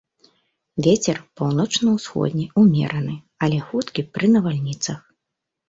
Вецер паўночна-усходні ўмераны, але хуткі пры навальніцах.